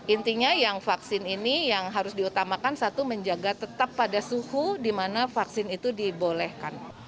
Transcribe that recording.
intinya yang vaksin ini yang harus diutamakan satu menjaga tetap pada suhu di mana vaksin itu dibolehkan